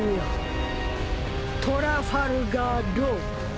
トラファルガー・ロー。